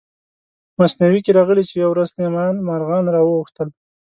مثنوي کې راغلي چې یوه ورځ سلیمان مارغان را وغوښتل.